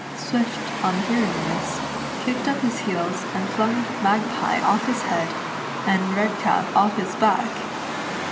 Swift on hearing this kicked up his heels, and flung Magpie off his head, and Redcap off his back.